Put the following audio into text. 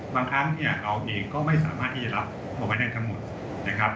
ครั้งเนี่ยเราเองก็ไม่สามารถที่จะรับเอาไว้ได้ทั้งหมดนะครับ